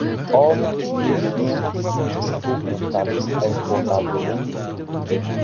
Hommes et chiens furent bientôt installés confortablement.